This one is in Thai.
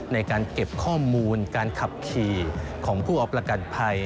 ในการเก็บข้อมูลการขับขี่ของผู้เอาประกันภัย